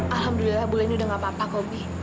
alhamdulillah bulan ini udah gak apa apa kopi